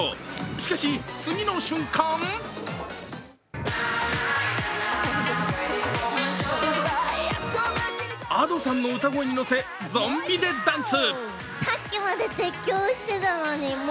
しかし、次の瞬間Ａｄｏさんの歌声に乗せ、ゾンビ・デ・ダンス。